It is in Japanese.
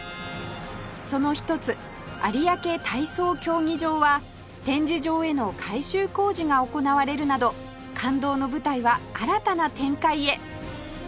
その一つ有明体操競技場は展示場への改修工事が行われるなど感動の舞台は新たな展開へ